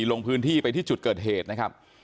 ลงพื้นที่ไปที่จุดเกิดเหตุนะครับ